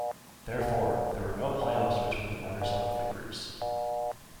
Therefore, there were no play-offs between the runners-up of the groups.